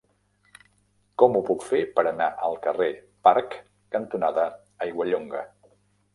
Com ho puc fer per anar al carrer Parc cantonada Aiguallonga?